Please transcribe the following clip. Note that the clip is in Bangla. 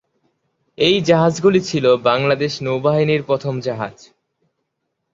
এই জাহাজগুলি ছিল বাংলাদেশ নৌবাহিনীর প্রথম জাহাজ।